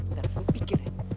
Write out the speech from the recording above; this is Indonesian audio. ntar lu pikir ya